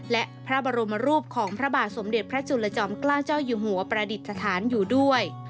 และพระบรมรูปของพระบาทสมเด็จพระจุลจอมเกล้าเจ้าอยู่หัวประดิษฐานอยู่ด้วย